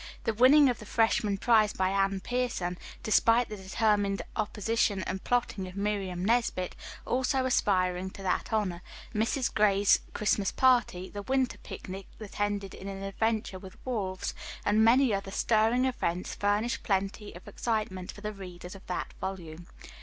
The winning of the freshman prize by Anne Pierson, despite the determined opposition and plotting of Miriam Nesbit, also aspiring to that honor, Mrs. Gray's Christmas party, the winter picnic that ended in an adventure with wolves, and many other stirring events furnished plenty of excitement for the readers of that volume.